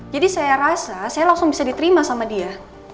jadi saya rasa saya langsung bisa diterima sama dia